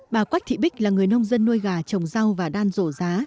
bà quách thị bích là người nông dân nuôi gà trồng rau và đan rổ giá